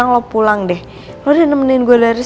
ntar juga ada yang nemenin gue kok